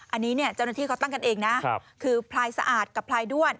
อันนี้เนี่ยเจ้าหน้าที่เขาตั้งกันเองนะคือพลายสะอาดกับพลายด้วน